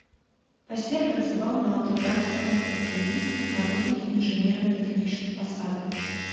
Пасля працаваў на аўтатранспартных прадпрыемствах на розных інжынерна-тэхнічных пасадах.